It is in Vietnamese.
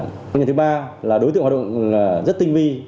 nguyên nhân thứ ba là đối tượng hoạt động rất tinh vi